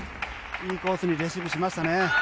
いいコースにレシーブしましたね。